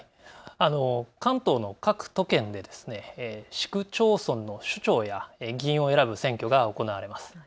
関東の各都県で市区町村の首長や議員を選ぶ選挙が行われます。